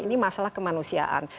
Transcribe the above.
ini masalah kemanusiaan